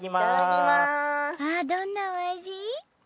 どんなお味？